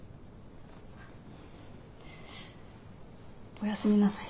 おやすみなさい。